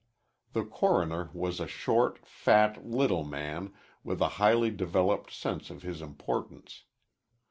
The coroner was a short, fat, little man with a highly developed sense of his importance.